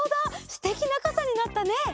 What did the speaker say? すてきなかさになったね！